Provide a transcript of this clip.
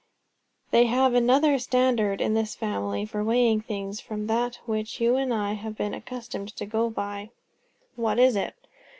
"They have another standard in this family for weighing things, from that which you and I have been accustomed to go by." "What is it?"